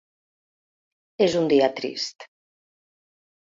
És un dia trist.